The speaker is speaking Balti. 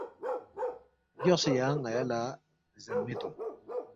گیوخسے یانگ ن٘یا لہ زَنمے تونگ